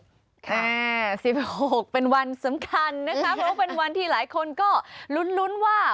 ค่ะ๑๖เป็นวันสำคัญนะคะเพราะว่าเป็นวันที่หลายคนก็ลุ้นลุ้นว่า